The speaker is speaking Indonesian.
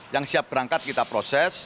yang siap berangkat kita proses